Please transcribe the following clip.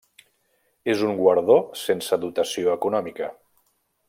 És un guardó sense dotació econòmica.